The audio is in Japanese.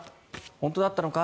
本当だったか？